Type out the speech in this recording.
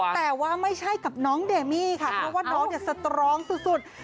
แต่ว่าไม่ใช่กับน้องเดมี่ค่ะเพราะว่าน้องเนี่ยสตรองสุด